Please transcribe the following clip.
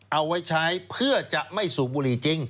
เอาไว้ใช้เพื่อจะไม่สูบบุหรี่จริง